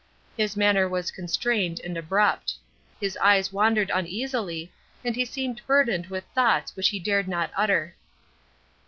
His manner was constrained and abrupt. His eyes wandered uneasily, and he seemed burdened with thoughts which he dared not utter.